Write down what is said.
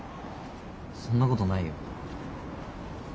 そんなことないよ。